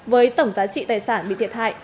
với tổng giá trị tài sản bị thiệt hại